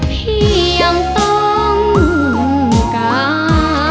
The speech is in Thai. เพียงต้องการ